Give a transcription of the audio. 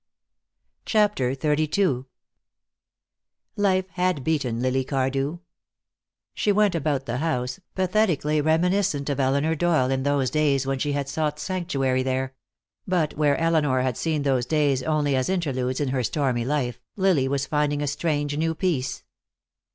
CHAPTER XXXII Life had beaten Lily Cardew. She went about the house, pathetically reminiscent of Elinor Doyle in those days when she had sought sanctuary there; but where Elinor had seen those days only as interludes in her stormy life, Lily was finding a strange new peace.